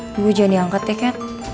gue jangan diangket ya kat